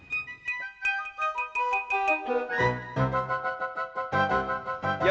ya udah kita ke rumah